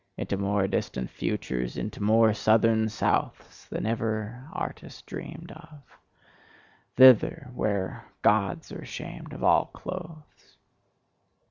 Into more distant futures, into more southern souths than ever artist dreamed of: thither, where Gods are ashamed of all clothes!